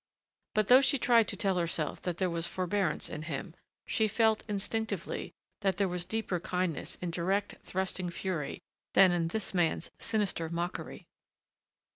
But though she tried to tell herself that there was forbearance in him, she felt, instinctively, that there was deeper kindness in direct, thrusting fury than in this man's sinister mockery.